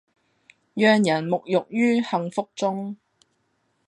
讓人沐浴於幸福中